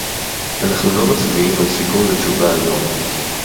אנחנו לא מצביעים על סיכום ותשובה היום